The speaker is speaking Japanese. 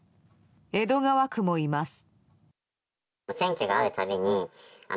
江戸川区もいます。